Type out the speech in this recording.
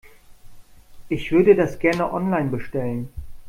Ich würde das gerne online bestellen.